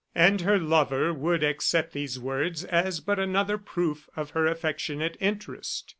And her lover would accept these words as but another proof of her affectionate interest.